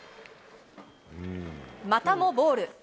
またもボール。